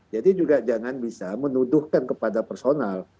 jadi juga jangan bisa menuduhkan kepada personal